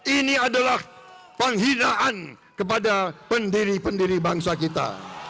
ini adalah penghinaan kepada pendiri pendiri bangsa kita